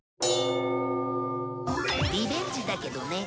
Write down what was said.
リベンジだけどね。